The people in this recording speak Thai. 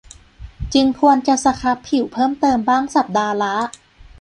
จึงควรจะสครับผิวเพิ่มเติมบ้างสัปดาห์ละ